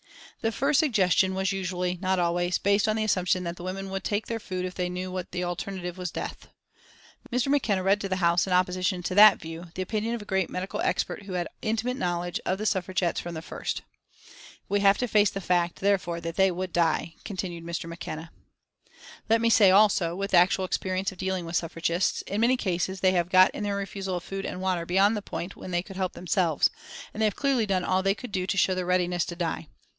The first suggestion was usually, not always, based on the assumption that the women would take their food if they knew that the alternative was death. Mr. McKenna read to the House in opposition to that view "the opinion of a great medical expert who had had intimate knowledge of the Suffragettes from the first." "We have to face the fact, therefore, that they would die," continued Mr. McKenna. "Let me say, also, with actual experience of dealing with suffragists, in many cases they have got in their refusal of food and water beyond the point when they could help themselves, and they have clearly done all that they could do to show their readiness to die....